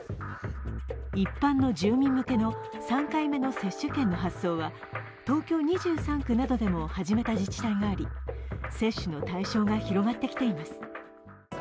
一般の住民向けの３回目の接種券の発送は東京２３区などでも始めた自治体があり接種の対象が広がってきています。